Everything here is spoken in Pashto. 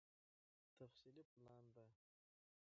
تفصيلي پلان دی